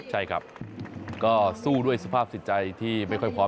ใช่ครับก็สู้ด้วยสภาพจิตใจที่ไม่ค่อยพร้อม